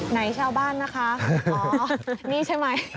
ไหนชาวบ้านนะคะนี่ใช่ไหม